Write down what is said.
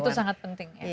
itu sangat penting ya